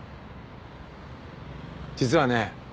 実はね